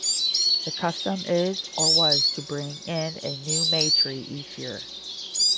The custom is or was to bring in a new May-tree each year.